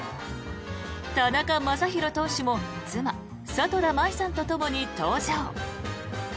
田中将大投手も妻・里田まいさんとともに登場。